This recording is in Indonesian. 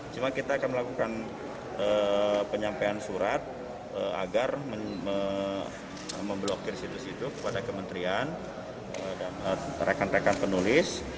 cuma kita akan melakukan penyampaian surat agar memblokir situs itu kepada kementerian dan rekan rekan penulis